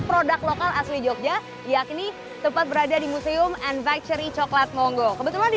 produk lokal asli jogja yakni tepat berada di museum and factory coklat monggo kebetulan di